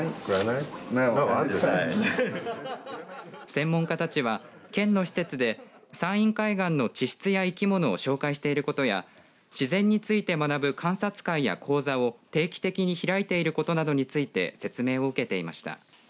専門家たちは県の施設で山陰海岸の地質や生き物を紹介していることや自然について学ぶ観察会や講座を定期的に開いていることなどについて説明を受けていました。